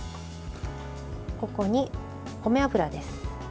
ここに米油です。